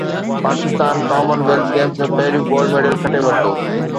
Pakistan Commonwealth games ۾ پهريون gold medal کٽي ورتو